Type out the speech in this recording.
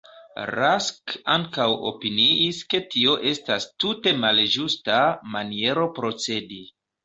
Rask ankaŭ opiniis ke tio estas tute malĝusta maniero procedi.